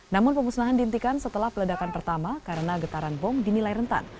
namun pemusnahan dihentikan setelah peledakan pertama karena getaran bom dinilai rentan